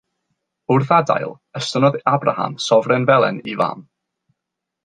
Wrth adael, estynnodd Abraham sofren felen i mam.